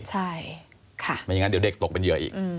ใช่ไม่อย่างนั้นเดี๋ยวเด็กตกเป็นเหยื่ออีก